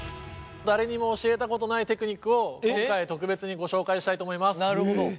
誰にも教えたことないテクニックを今回特別にご紹介したいと思います。